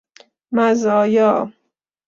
مزایا